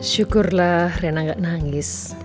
syukurlah rena nggak nangis